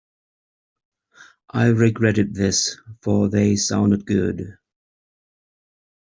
I regretted this, for they sounded good.